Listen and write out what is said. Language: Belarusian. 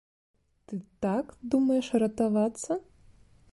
Ты так думаеш ратавацца?